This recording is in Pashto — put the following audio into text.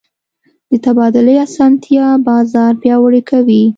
د تبادلې اسانتیا بازار پیاوړی کوي.